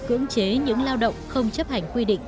cưỡng chế những lao động không chấp hành quy định